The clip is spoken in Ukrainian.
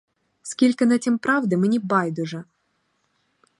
Скільки на тім правди, мені байдуже!